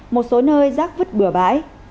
một số nơi giác vứt bửa bãi